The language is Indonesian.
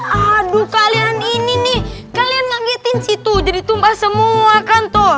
aduh kalian ini nih kalian manggitin situ jadi tumpah semua kan tuh